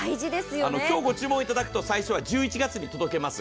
今日ご注文いただくと最初は１１月に届けます。